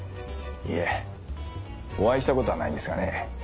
いえお会いしたことはないんですがね